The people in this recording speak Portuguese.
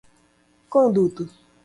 Conduto